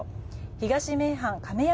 東名阪亀山